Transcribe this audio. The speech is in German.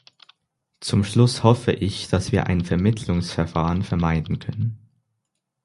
Zum Schluss hoffe ich, dass wir ein Vermittlungsverfahren vermeiden können.